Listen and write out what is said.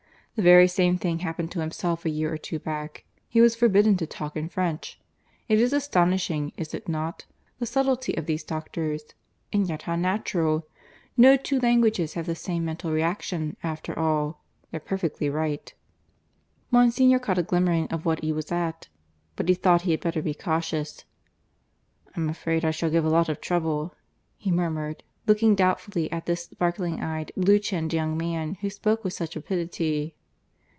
The very same thing happened to himself a year or two back. He was forbidden to talk in French. It is astonishing, is it not? the subtlety of these doctors! And yet how natural. No two languages have the same mental reaction, after all. They're perfectly right." Monsignor caught a glimmering of what he was at. But he thought he had better be cautious. "I'm afraid I shall give a lot of trouble," he murmured, looking doubtfully at this sparkling eyed, blue chinned young man, who spoke with such rapidity.